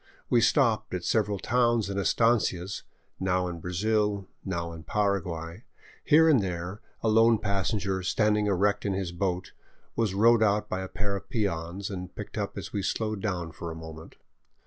We stopped at several towns and estancias, now in Brazil, now in Paraguay; here and there a lone passenger, standing erect in his boat, was rowed out by a pair of peons, and picked up as we slowed down for a moment.